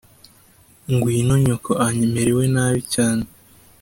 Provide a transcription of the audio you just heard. ngwino nyoko amerewe nabi cyane"